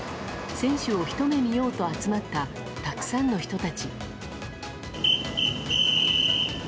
選手をひと目見ようと集まったたくさんの人たち。